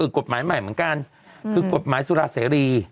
กฎหมายใหม่เหมือนกันคือกฎหมายสุราเสรี